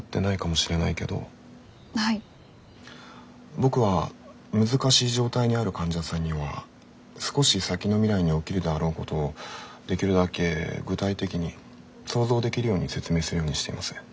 僕は難しい状態にある患者さんには少し先の未来に起きるであろうことをできるだけ具体的に想像できるように説明するようにしています。